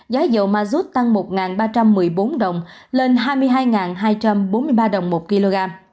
giá dầu ma rút tăng một ba trăm một mươi bốn đồng lên hai mươi hai hai trăm bốn mươi ba đồng một kg